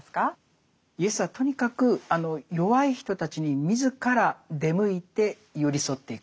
イエスはとにかく弱い人たちに自ら出向いて寄り添っていくと。